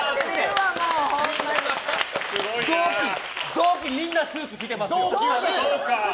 同期みんなスーツ着てますよ。